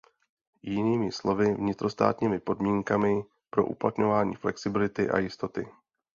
Jinými slovy, vnitrostátními podmínkami pro uplatňování flexibility a jistoty.